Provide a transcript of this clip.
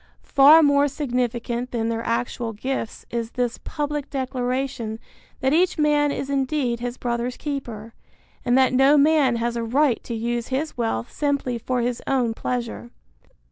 Far more significant than their actual gifts is this public declaration that each man is indeed his brother's keeper, and that no man has a right to use his wealth simply for his own pleasure.